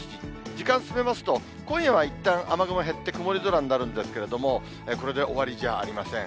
時間進めますと、今夜はいったん、雨雲減って、曇り空になるんですけれども、これで終わりじゃありません。